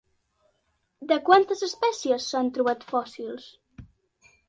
De quantes espècies s'han trobat fòssils?